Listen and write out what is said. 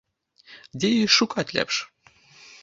Дзе яе шукаць лепш?